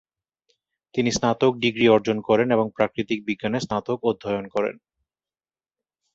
তিনি স্নাতক ডিগ্রি অর্জন করেন এবং প্রাকৃতিক বিজ্ঞানে স্নাতক অধ্যয়ন করেন।